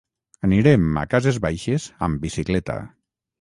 Anirem a Cases Baixes amb bicicleta.